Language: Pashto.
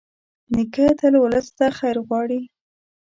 نیکه تل ولس ته خیر غواړي.